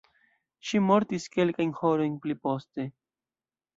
Ŝi mortis kelkajn horojn pli poste.